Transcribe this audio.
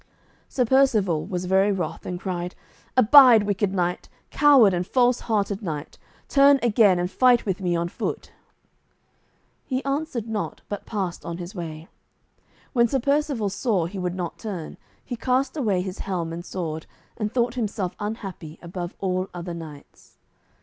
Sir Percivale was very wroth, and cried, "Abide, wicked knight, coward and false hearted knight, turn again and fight with me on foot." He answered not, but passed on his way. When Sir Percivale saw he would not turn, he cast away his helm and sword, and thought himself unhappy above all other knights.